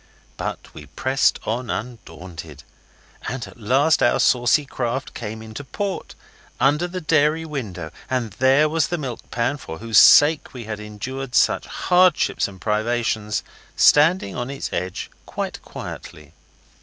But we pressed on undaunted, and at last our saucy craft came into port, under the dairy window and there was the milk pan, for whose sake we had endured such hardships and privations, standing up on its edge quite quietly.